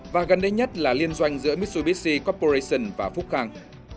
và gần đây nhất là liên doanh giữa mitsubishi copperation và phúc khang